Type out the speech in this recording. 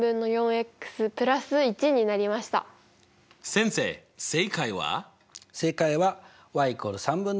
先生正解は？